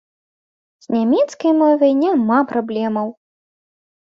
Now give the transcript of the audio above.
З нямецкай мовай няма праблемаў.